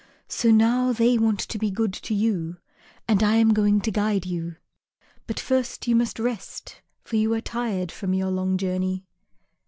So now they want to be good to you, and I am going to guide you. But first you must rest, for you are tired from your long journey."